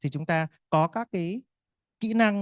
chúng ta có các cái kĩ năng